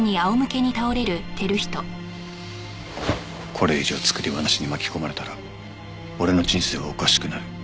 これ以上作り話に巻き込まれたら俺の人生はおかしくなる。